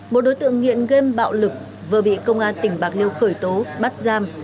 một đối tượng nghiện game bạo lực vừa bị công an tỉnh bạc liêu khởi tố bắt giam